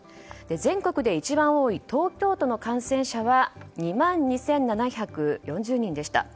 全国で一番多い東京都の感染者は２万２７４０人でした。